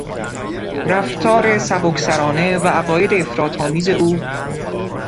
رفتار سبک سرانه و عقاید افراط آمیز او